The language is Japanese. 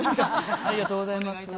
ありがとうございます。